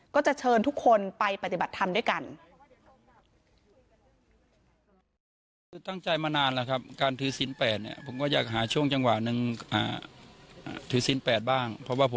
ก็จะเชิญทุกคนไปปฏิบัติธรรมด้วยกัน